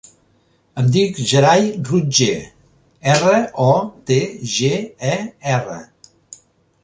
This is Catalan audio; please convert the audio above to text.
Em dic Gerai Rotger: erra, o, te, ge, e, erra.